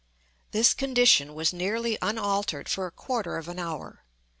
This condition was nearly unaltered for a quarter of an hour.